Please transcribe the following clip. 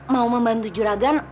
mau membantu juragan